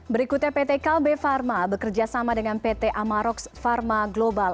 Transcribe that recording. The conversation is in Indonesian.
berikutnya pt kalbe pharma bekerjasama dengan pt amaroks pharma global